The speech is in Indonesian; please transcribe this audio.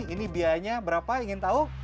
ini biayanya berapa ingin tahu